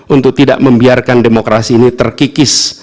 untuk tidak membiarkan demokrasi ini terkikis